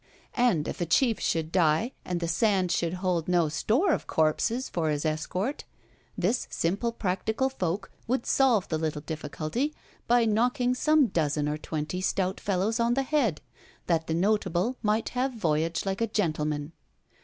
And if a chief should die, and the sand should hold no store of corpses for his escort, this simple practical folk would solve the little difficulty by knocking some dozen or twenty stout fellows on the head, that the notable might voyage like a gentleman.